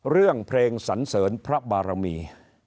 เรื่องเพลงสันเสริญพระบารมี